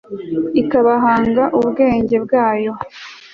ikabahanga ubwenge bwayo